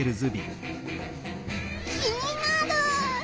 気になる。